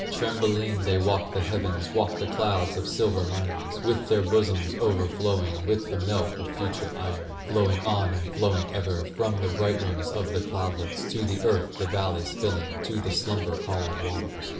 Tremblingly they walked the heavens, Walked the clouds with silver linings, With their bosoms overflowing With the milk of future iron, Flowing on and flowing ever, From the bright rims of the cloudlets To the earth, the valleys filling, To the slumber calling waters.